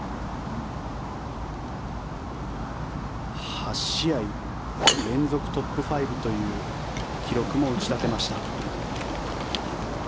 ８試合連続トップ５という記録も打ち立てました。